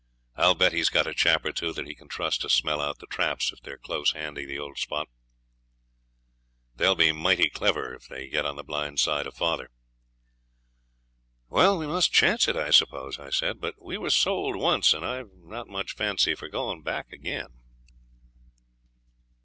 I'll bet he's got a chap or two that he can trust to smell out the traps if they are close handy the old spot. They'll be mighty clever if they get on the blind side of father.' 'Well, we must chance it, I suppose,' I said; 'but we were sold once, and I've not much fancy for going back again.'